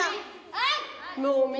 はい！